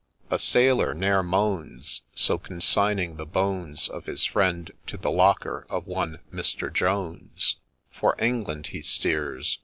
A sailor ne'er moans ; So, consigning the bones Of his friend to the locker of one Mr. Jones, For England he steers.